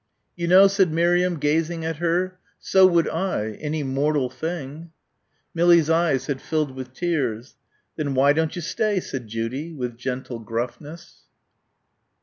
"You know," said Miriam gazing at her, "so would I any mortal thing." Millie's eyes had filled with tears. "Then why don't ye stay?" said Judy, with gentle gruffness.